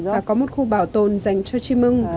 và có một khu bảo tồn dành cho chim ưng